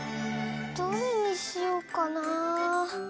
どれにしようかな？